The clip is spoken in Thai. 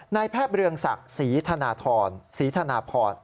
นายแพทย์เรืองศักดิ์ศรีธนาพอร์ต